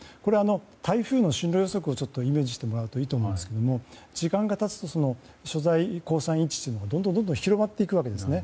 台風の進路予測をイメージしてもらうといいと思いますが時間が経つと所在位置というのがどんどん広がっていくわけです。